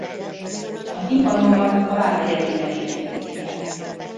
A timpanonban a vármegye címerét helyezték el.